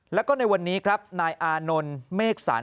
แล้วก็ในวันนี้ครับนายอานนท์เมฆสัน